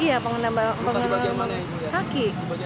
iya pengendara kaki